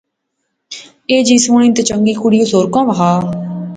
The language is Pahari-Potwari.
ایہہ جئی سوہنی تے چنگی کڑی اس ہور کھاناں لبے وا